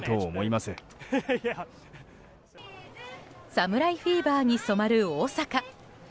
侍フィーバーに染まる大阪。